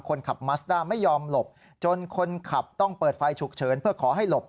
คนขับมัสด้าไม่ยอมหลบจนคนขับต้องเปิดไฟฉุกเฉินเพื่อขอให้หลบ